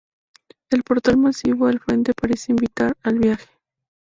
El portal masivo al frente parece invitar al viaje.